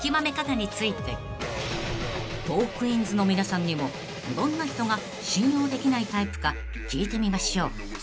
［トークィーンズの皆さんにもどんな人が信用できないタイプか聞いてみましょう］